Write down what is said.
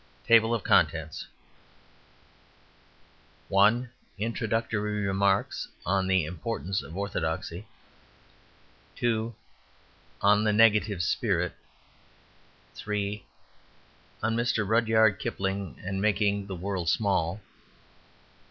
Table of Contents 1. Introductory Remarks on the Importance of Othodoxy 2. On the Negative Spirit 3. On Mr. Rudyard Kipling and Making the World Small 4.